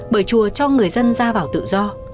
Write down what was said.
bởi chùa cho người dân ra vào tự do